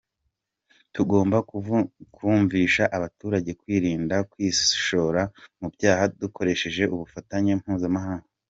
Tugomba kumvisha abaturage kwirinda kwishora mu byaha dukoresheje ubufatanye mpuzamahanga.”